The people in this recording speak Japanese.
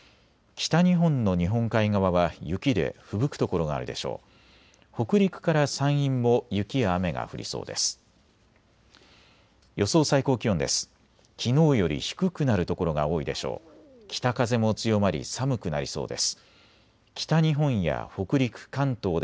北陸から山陰も雪や雨が降りそうです。